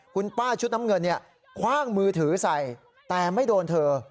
คุณป้าชุดน้ำเงินคว่างมือถือใส่แต่ไม่โดนเธอ